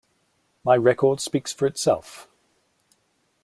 My record speaks for itself.